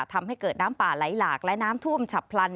ทำให้เกิดน้ำป่าไหลหลากและน้ำท่วมฉับพลัน